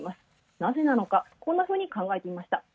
なぜなのか、こんなふうに考えてみました。